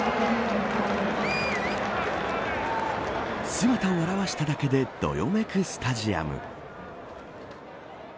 姿を現しただけでどよめくスタジアム。